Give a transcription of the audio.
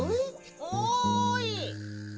おい！